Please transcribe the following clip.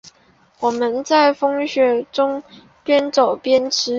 我们在风雪中边走边吃